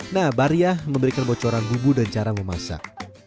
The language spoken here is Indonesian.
nah bariah memberikan bocoran bubu dan cara memasak